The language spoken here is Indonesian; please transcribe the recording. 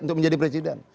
untuk menjadi presiden